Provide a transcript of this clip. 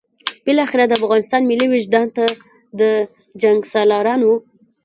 بالاخره د افغانستان ملي وجدان ته د جنګسالارانو.